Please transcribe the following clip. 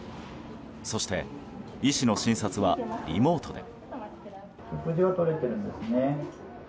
そして医師の診察はリモートで。